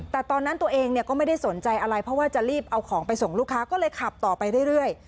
แต่ตอนนั้นตัวเองก็ไม่ได้สนใจอะไรเพราะว่าจะรีบเอาของไปส่งลูกค้าก็เลยขับต่อไปเรื่อย